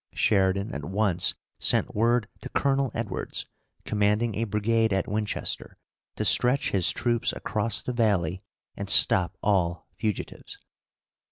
Sheridan at once sent word to Colonel Edwards, commanding a brigade at Winchester, to stretch his troops across the valley, and stop all fugitives.